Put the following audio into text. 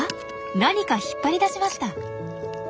何か引っ張り出しました。